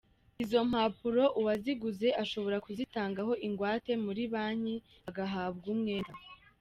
Izo mpapuro uwaziguze ashobora kuzitangaho ingwate muri Banki agahabwa umwenda.